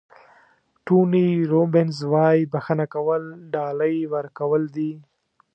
ټوني روبینز وایي بښنه کول ډالۍ ورکول دي.